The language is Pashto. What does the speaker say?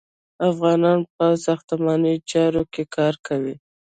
افغانان په ساختماني چارو کې کار کوي.